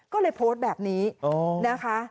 ก็เลยโพสต์แบบนี้นะคะ